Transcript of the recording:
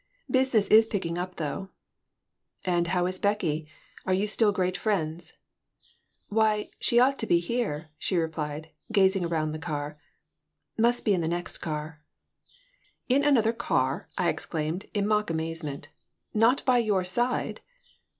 Business is picking up, though." "And how is Becky? Are you still great friends?" "Why, she ought to be here!" she replied, gazing around the car. "Must be in the next car." "In another car!" I exclaimed, in mock amazement. "Not by your side?"